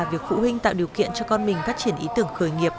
việc phụ huynh tạo điều kiện cho con mình phát triển ý tưởng khởi nghiệp